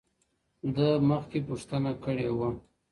زه مخکي پوښتنه کړې وه،